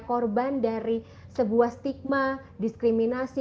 korban dari sebuah stigma diskriminasi